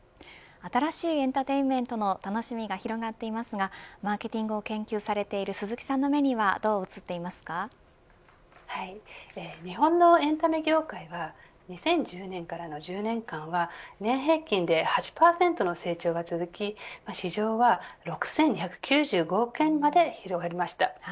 新しいエンターテインメントの楽しみが広がっていますがマーケティングを研究されている鈴木さんの目には日本のエンタメ業界は２０１０年からの１０年間は年平均で８％の成長が続き市場は６２９５億円にまで広がりました。